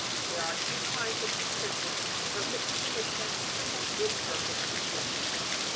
There are two kinds of contrition: perfect contrition and imperfect contrition.